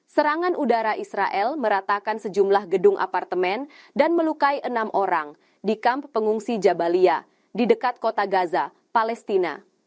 serangan udara israel meratakan sejumlah gedung apartemen dan melukai enam orang di kamp pengungsi jabalia di dekat kota gaza palestina